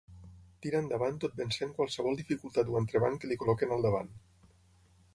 Tira endavant tot vencent qualsevol dificultat o entrebanc que li col·loquin al capdavant.